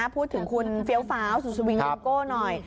พูดถึงคุณเฟี้ยวฟ้าวสุดสวิงริงโก้หน่อย